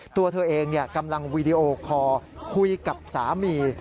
ตัวเธอเองกำลังวีดีโอคอร์คุยกับสามี